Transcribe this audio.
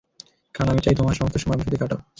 কারন আমি চাই তোমার সমস্ত সময় আমার সাথে কাটাও।